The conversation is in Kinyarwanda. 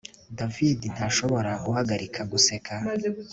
David ntashobora guhagarika guseka